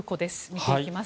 見ていきます。